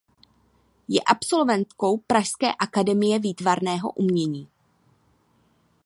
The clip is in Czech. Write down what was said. Je absolventkou pražské Akademie výtvarného umění.